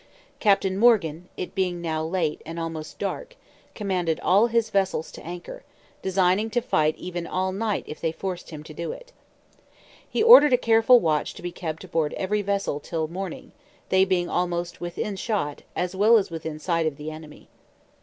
Captain Morgan, it being now late and almost dark, commanded all his vessels to an anchor, designing to fight even all night if they forced him to it. He ordered a careful watch to be kept aboard every vessel till morning, they being almost within shot, as well as within sight of the enemy.